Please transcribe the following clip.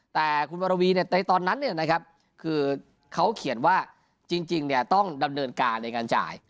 แต่คุณพระรวีในตอนนั้นเนี่ยนะครับคือเขาเขียนว่าจริงเนี่ยต้องดำเนินการในการจ่าย